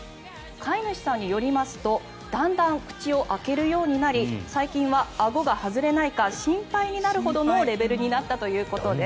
飼い主さんによりますとだんだん口を開けるようになり最近はあごが外れないか心配になるほどのレベルになったということです。